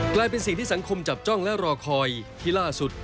กลายเป็นสิ่งที่สังคมจับจ้องและรอคอยที่ล่าสุด